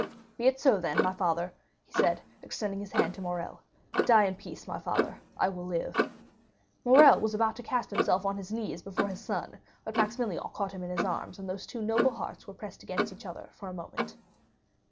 "Be it so, then, my father," he said, extending his hand to Morrel, "die in peace, my father; I will live." Morrel was about to cast himself on his knees before his son, but Maximilian caught him in his arms, and those two noble hearts were pressed against each other for a moment.